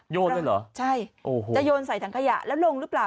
โยนได้เหรอโอ้โหใช่จะโยนใส่ถังขยะแล้วลงหรือเปล่า